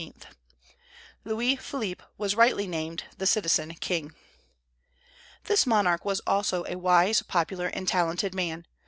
Louis Philippe was rightly named "the citizen king." This monarch was also a wise, popular, and talented man.